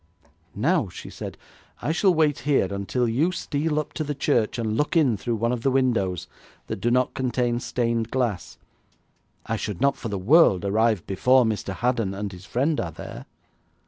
'Now,' she said 'I shall wait here until you steal up to the church and look in through one of the windows that do not contain stained glass. I should not for the world arrive before Mr. Haddon and his friend are there.'